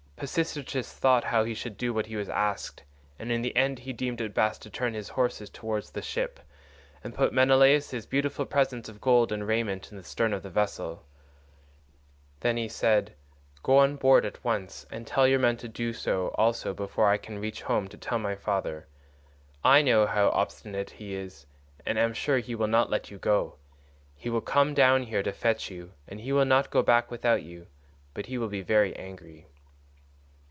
Pisistratus thought how he should do as he was asked, and in the end he deemed it best to turn his horses towards the ship, and put Menelaus's beautiful presents of gold and raiment in the stern of the vessel. Then he said, "Go on board at once and tell your men to do so also before I can reach home to tell my father. I know how obstinate he is, and am sure he will not let you go; he will come down here to fetch you, and he will not go back without you. But he will be very angry."